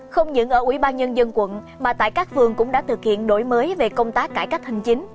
không những ở ubnd quận mà tại các vườn cũng đã thực hiện đổi mới về công tác cải cách hành chính